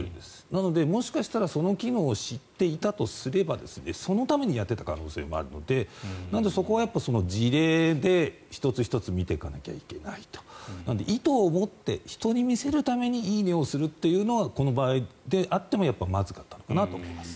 なのでもしかしたらその機能を知っていたんだとすればそのためにやっていた可能性もあるのでなので、そこは事例で１つ１つ見ていかなきゃいけない意図を持って、人に見せるために「いいね」をするというのはこの場合であってもまずかったのかなと思います。